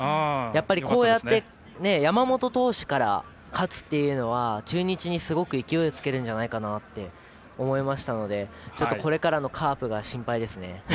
こうやって山本投手から勝つっていうのは中日にすごい勢いをつけるんじゃないかなと思いましたのでちょっと、これからのカープが心配ですね。